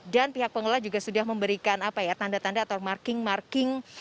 pihak pengelola juga sudah memberikan tanda tanda atau marking marking